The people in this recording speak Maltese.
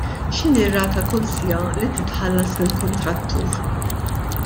X'inhi r-rata kull siegħa li titħallas lill-kuntrattur?